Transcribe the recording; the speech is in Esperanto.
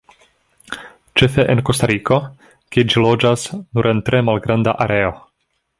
Ĉefe en Kostariko, kie ĝi loĝas nur en tre malgranda areo.